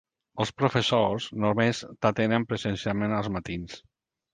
Els professors només t'atenen presencialment als matins.